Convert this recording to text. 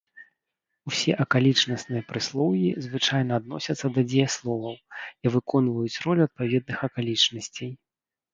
Усе акалічнасныя прыслоўі звычайна адносяцца да дзеясловаў і выконваюць ролю адпаведных акалічнасцей.